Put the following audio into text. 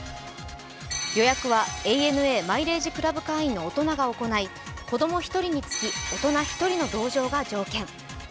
予約はＡＮＡマイレージクラブ会員の大人が行い子供１人につき大人１人の同乗が条件。